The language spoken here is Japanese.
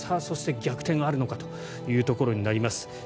そして、逆転あるのかというところになります。